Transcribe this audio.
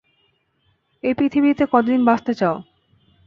এই পৃথিবীতে কতদিন বাঁচতে চাও?